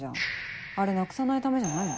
あれなくさないためじゃないの？